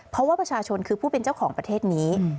เพราะว่าประชาชนคือผู้เป็นเจ้าของประเทศนี้